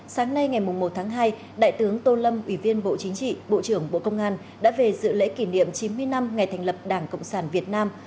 hãy đăng ký kênh để ủng hộ kênh của chúng mình nhé